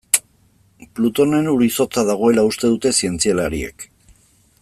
Plutonen ur-izotza dagoela uste dute zientzialariek.